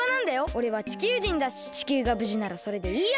おれは地球人だし地球がぶじならそれでいいや！